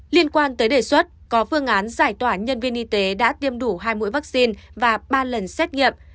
liên quan tới đề xuất có phương án giải tỏa nhân viên y tế đã tiêm đủ hai mũi vaccine và ba lần xét nghiệm